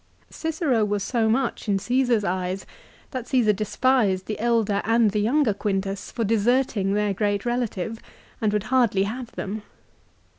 Cicero was so much in Caasar's eyes that Csesar despised the elder and the younger Quintus for deserting their great relative and would hardly have them.